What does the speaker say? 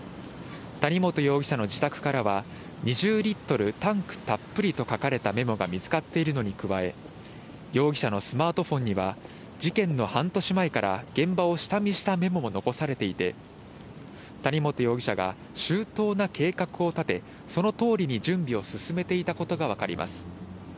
谷本容疑者の自宅からは、２０リットル、タンクたっぷりと書かれたメモが見つかっているのに加え、容疑者のスマートフォンには、事件の半年前から現場を下見したメモも残されていて、谷本容疑者が周到な計画を立て、そのとおりに準備を進めていたことが分かります。